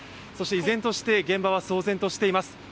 そして依然として現場は騒然としています。